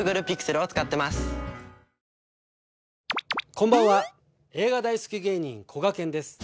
こんばんは映画大好き芸人こがけんです。